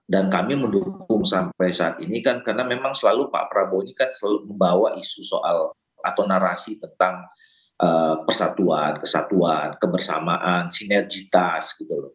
dan kami mendukung sampai saat ini karena memang pak prabowo ini kan selalu membawa isu soal atau narasi tentang persatuan kesatuan kebersamaan sinergitas